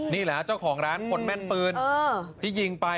นี่แหละเจ้าของร้านคนแม่นปืนที่ยิงไป